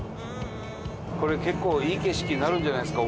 これ結構いい景色になるんじゃないですか？